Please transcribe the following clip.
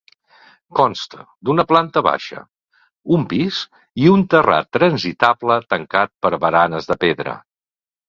Consta d'una planta baixa, un pis i un terrat transitable tancat per baranes de pedra.